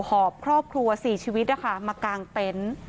หอบครอบครัว๔ชีวิตมากางเต็นต์